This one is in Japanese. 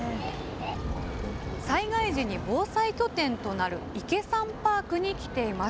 災害時に防災拠点となるイケ・サンパークに来ています。